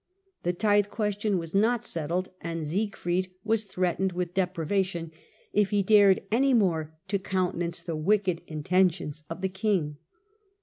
The tithe question was not settled, and Siegfried was threatened with deprivation if he dared any more to countenance the wicked intentions of the king.